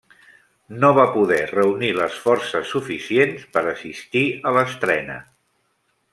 No va poder reunir les forces suficients per assistir a l'estrena.